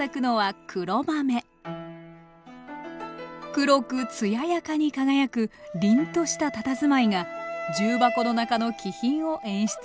黒くつややかに輝く凜としたたたずまいが重箱の中の気品を演出してくれます